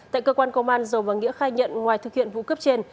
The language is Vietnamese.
tại cơ quan công an dầu và nghĩa khai nhận ngoài thực hiện vụ cướp trên